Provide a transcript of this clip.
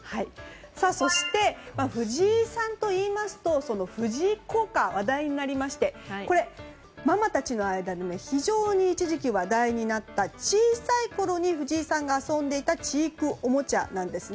そして、藤井さんといいますと藤井効果が話題になりましてママたちの間で非常に一時期話題になった小さいころに藤井さんが遊んでいた知育おもちゃなんです。